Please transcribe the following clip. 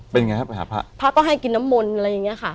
เป็นไงฮะไปหาพระพระต้องให้กินน้ำมนอะไรอย่างนี้ค่ะ